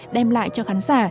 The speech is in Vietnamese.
đem lại cho khán giả